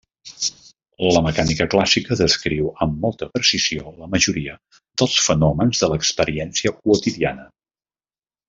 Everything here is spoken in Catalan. La mecànica clàssica descriu amb molta precisió la majoria dels fenòmens de l'experiència quotidiana.